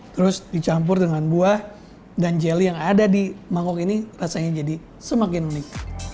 terus dicampur dengan buah dan jelly yang ada di mangkok ini rasanya jadi semakin unik